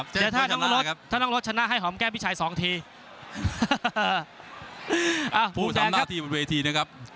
เดี๋ยวถ้าน้องรถถ้าน้องรถชนะให้หอมแก้พี่ชัยสองทีผู้ทำหน้าที่บนเวทีนะครับ